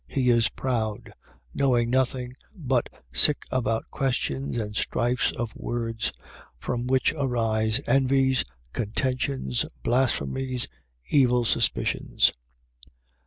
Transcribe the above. He is proud, knowing nothing, but sick about questions and strifes of words; from which arise envies, contentions, blasphemies, evil suspicions, 6:5.